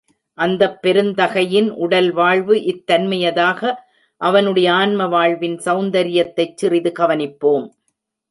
அந்தப் பெருந்தகையின் உடல் வாழ்வு இத்தன்மையதாக, அவனுடைய ஆன்ம வாழ்வின் செளந்தரியத்தைச் சிறிது கவனிப்போம்.